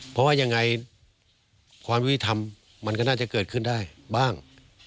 เพราะว่ายังไงความยุติธรรมมันก็น่าจะเกิดขึ้นได้บ้าง